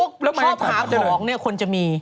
ชอบหาของคุณจะมี